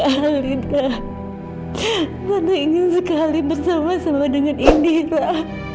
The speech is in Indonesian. tante lina tante ingin sekali bersama sama dengan indira